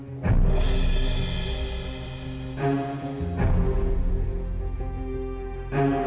bagaimana aku bisa rab edges le acred alumni ini aja